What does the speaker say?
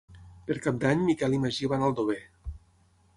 Per Cap d'Any en Miquel i en Magí van a Aldover.